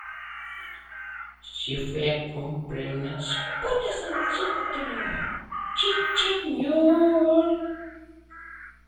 En realidad, el general usó su propio dinero para financiar el teatro.